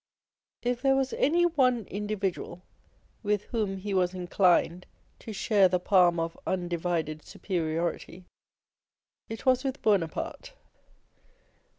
If there was any one individual with whom he was inclined to share the palm of undivided superiority, it was with Buonaparte.